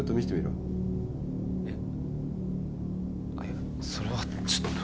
いやそれはちょっと。